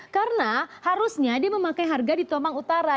karena harusnya dia memakai harga di tomang utara